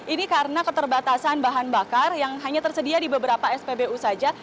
ini karena keterbatasan bahan bakar yang hanya tersedia di beberapa spbu saja